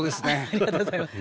ありがとうございます。